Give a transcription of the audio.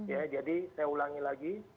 ya jadi saya ulangi lagi